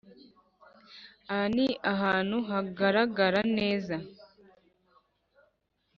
aha ni ahantu hagarara neza